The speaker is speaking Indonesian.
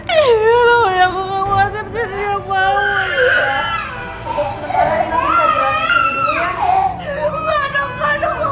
iwi aku gak mau terjadi apaan